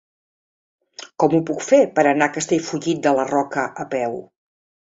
Com ho puc fer per anar a Castellfollit de la Roca a peu?